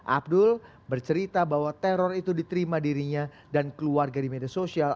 abdul bercerita bahwa teror itu diterima dirinya dan keluarga di media sosial